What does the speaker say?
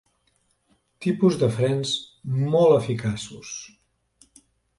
Tipus de frens molt eficaços.